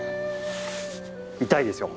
痛いですよ。